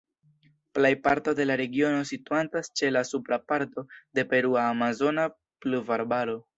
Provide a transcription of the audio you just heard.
Plej parto de la regiono situantas ĉe la supra parto de perua Amazona Pluvarbaro.